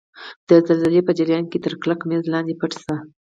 د زلزلې په جریان کې تر کلک میز لاندې پټ شئ.